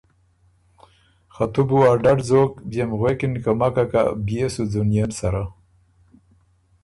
خه تُو بو ا ډډ ځوک بيې م غوېکِن که مکه کَۀ بيې سو ځونيېن سَره“